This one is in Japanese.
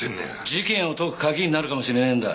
事件を解く鍵になるかもしれねえんだ。